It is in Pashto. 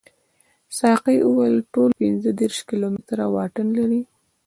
ساقي وویل ټول پنځه دېرش کیلومتره واټن لري.